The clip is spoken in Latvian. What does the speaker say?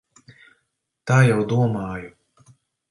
Tā jau domāju.